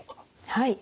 はい。